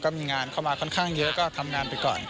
มีงานเข้ามาค่อนข้างเยอะก็ทำงานไปก่อน